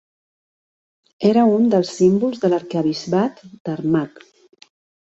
Era un dels símbols de l'Arquebisbat d'Armagh.